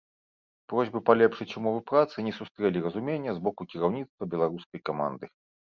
Просьбы палепшыць умовы працы не сустрэлі разумення з боку кіраўніцтва беларускай каманды.